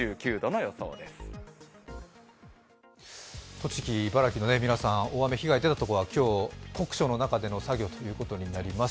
栃木、茨城の皆さん、大雨被害が出たところは今日、酷暑の中での作業ということになります。